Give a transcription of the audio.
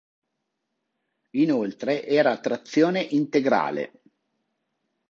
Inoltre, era a trazione integrale.